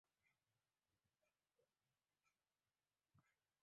— Kecha kechasi Said chavandozning saman oti qochdi!